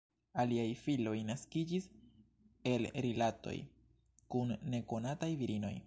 Aliaj filoj naskiĝis el rilatoj kun nekonataj virinoj.